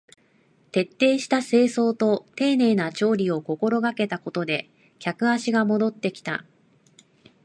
徹底した清掃と丁寧な調理を心がけたことで客足が戻ってきた